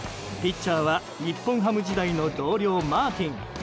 ピッチャーは日本ハム時代の同僚マーティン。